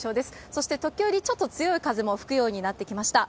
そして時折、ちょっと強い風も吹くようになってきました。